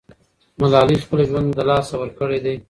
ملالۍ خپل ژوند له لاسه ورکړی دی.